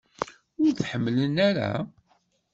Ur t-ḥemmlen ara?